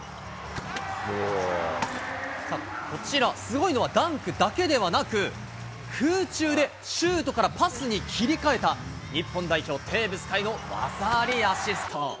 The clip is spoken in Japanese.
こちら、すごいのはダンクだけではなく、空中でシュートからパスに切り替えた、日本代表、テーブス海の技ありアシスト。